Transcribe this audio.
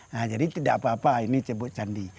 nah jadi tidak apa apa ini sebut candi